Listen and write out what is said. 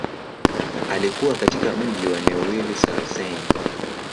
Alikua katika mji wa Neuilly-sur-Seine.